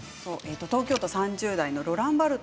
東京都３０代の方です。